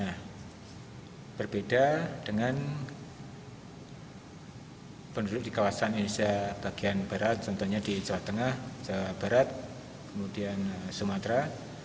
nah berbeda dengan penduduk di kawasan indonesia bagian barat contohnya di jawa tengah jawa barat kemudian sumatera